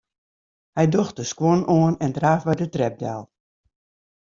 Hy docht de skuon oan en draaft by de trep del.